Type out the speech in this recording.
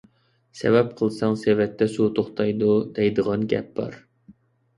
«سەۋەب قىلساڭ سېۋەتتە سۇ توختايدۇ» دەيدىغان گەپ بار.